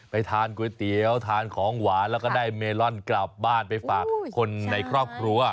ทานก๋วยเตี๋ยวทานของหวานแล้วก็ได้เมลอนกลับบ้านไปฝากคนในครอบครัว